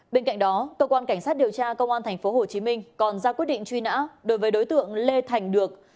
bên cạnh đó cơ quan cảnh sát điều tra công an tp hcm còn ra quyết định truy nã đối với đối tượng lê thành được